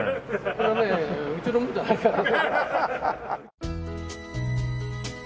これはねうちのじゃないから。